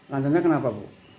lancarnya kenapa bu